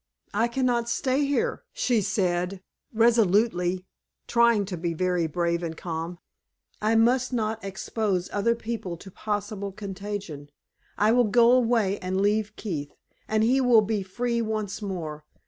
"I cannot stay here," she said, resolutely, trying to be very brave and calm. "I must not expose other people to possible contagion. I will go away and leave Keith, and he will be free once more.